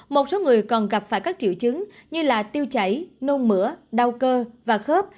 một số người còn gặp phải các triệu chứng như tiêu chảy nôn mửa đau cơ và khớp